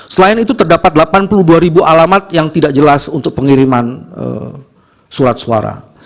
selain itu terdapat delapan puluh dua alamat yang tidak jelas untuk pengiriman surat suara